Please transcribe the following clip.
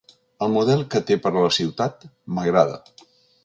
El model que té per a la ciutat m’agrada.